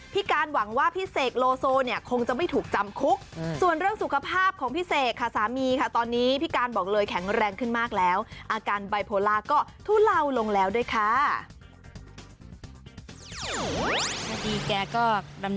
การหวังว่าพี่เสกโลโซเนี่ยคงจะไม่ถูกจำคุกส่วนเรื่องสุขภาพของพี่เสกค่ะสามีค่ะตอนนี้พี่การบอกเลยแข็งแรงขึ้นมากแล้วอาการไบโพลาก็ทุเลาลงแล้วด้วยค่ะ